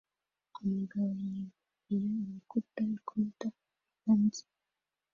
umugabo yegamiye urukuta rw'amatafari hanze